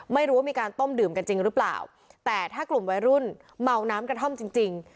ไม่รู้ว่ามีการต้มดื่มกันจริงหรือเปล่าแต่ถ้ากลุ่มวัยรุ่นเมาน้ำกระท่อมจริงจริง